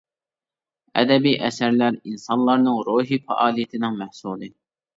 ئەدەبىي ئەسەرلەر ئىنسانلارنىڭ روھىي پائالىيىتىنىڭ مەھسۇلى.